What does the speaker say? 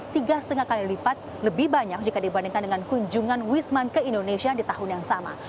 tiga lima kali lipat lebih banyak jika dibandingkan dengan kunjungan wisman ke indonesia di tahun yang sama